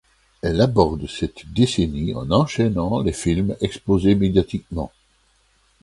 Elle aborde cette décennie en enchaînant les films exposés médiatiquement.